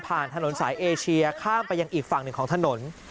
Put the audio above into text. ถนนสายเอเชียข้ามไปยังอีกฝั่งหนึ่งของถนน